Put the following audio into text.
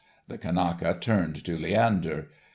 The Kanaka turned to Leander.